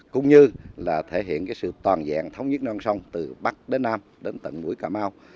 cũng như là thể hiện sự toàn diện thống nhất non sông từ bắc đến nam đến tận mũi cà mau